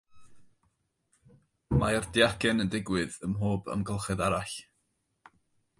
Mae'r diacen yn digwydd ym mhob amgylchedd arall.